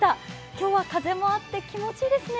今日は風もあって、気持ちいいですね。